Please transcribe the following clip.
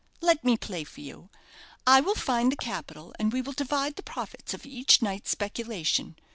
Let me play for you. I will find the capital, and we will divide the profits of each night's speculation.